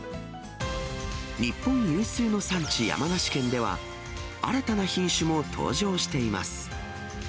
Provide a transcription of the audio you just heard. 日本有数の産地、山梨県では、新たな品種も登場しています。